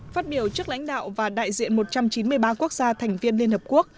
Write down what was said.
phát biểu trước lãnh đạo và đại diện một trăm chín mươi ba quốc gia thành viên liên hợp quốc